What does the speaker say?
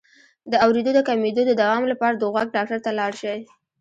د اوریدو د کمیدو د دوام لپاره د غوږ ډاکټر ته لاړ شئ